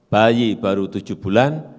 jadi bayi baru tujuh bulan